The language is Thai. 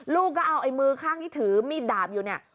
ลูกก็เอาไอ้มือข้างที่ถือมีดดาบอยู่เนี่ย